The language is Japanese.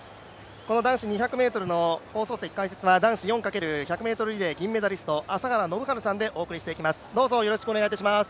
この男子２００ｍの放送席解説は、男子４ｘ１００ｍ銀メダリスト、朝原宣治さんでお送りしていきます。